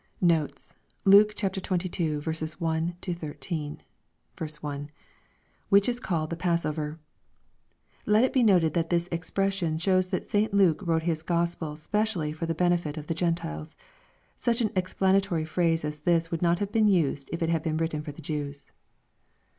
Notes. Luke XXII. 1—13. 1. —[ Whioh is called the passover.'] Let it be noted that this exprea sion shows that St. Luke wrote his Gk)spel specially for the bene fit of the G entiles. Such an explanatory phrase as this would not have been used, if it had been written for the Jews.